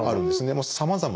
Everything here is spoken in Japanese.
もうさまざま。